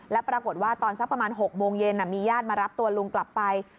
แล้วปรากฏว่าตอนสักประมาณ๖โมงเย็นมีญาติมารับตัวลุงกลับไป